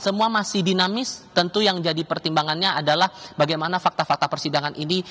semua masih dinamis tentu yang jadi pertimbangannya adalah bagaimana fakta fakta persidangan ini